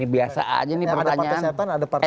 ini biasa aja nih pertanyaan